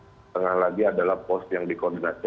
setengah lagi adalah pos yang dikoordinasi